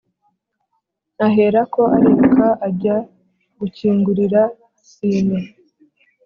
aherako ariruka, ajya gukingurira sine